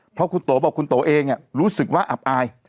เพราะคุณโตบอกคุณโตเองรู้สึกว่าอับอาย